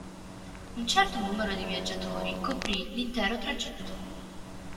Un certo numero di viaggiatori coprì l'intero tragitto.